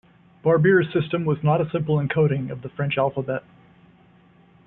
Barbier's system was not a simple encoding of the French alphabet.